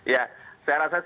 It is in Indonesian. ya saya rasa sih